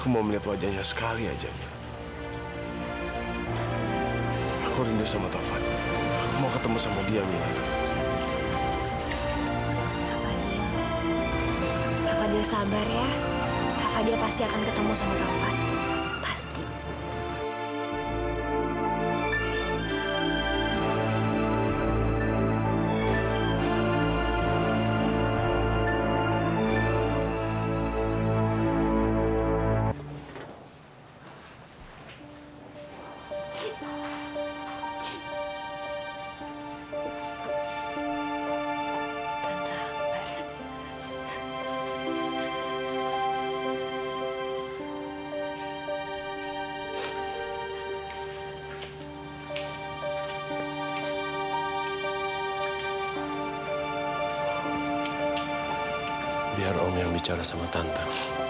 sampai jumpa di video selanjutnya